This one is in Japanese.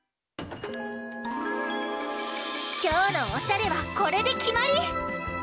きょうのおしゃれはこれできまり！